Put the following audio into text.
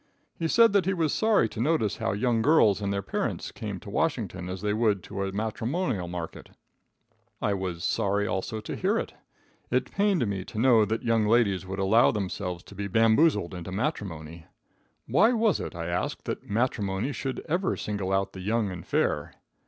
He said that he was sorry to notice how young girls and their parents came to Washington as they would to a matrimonial market. I was sorry also to hear it. It pained me to know that young ladies should allow themselves to be bamboozled into matrimony. Why was it, I asked, that matrimony should ever single out the young and fair?